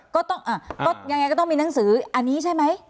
ยังไงก็ต้องมีหนังสืออันนี้ใช่ไหม